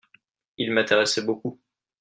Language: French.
Il m'intéressait beaucoup.